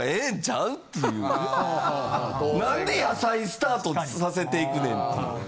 なんで野菜スタートさせていくねんっていう。